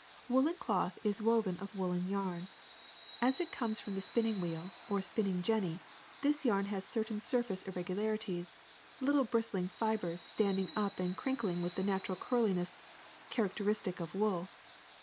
^^ Woolen cloth is woven of woolen yarn. As it comes from the spinning wheel or spinning jenny this yam has certain surface irregularities, little bristling fibers standing up and crinkling with the natural curliness characteristic of wool.